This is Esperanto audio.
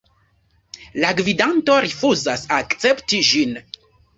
La gvidanto rifuzas akcepti ĝin.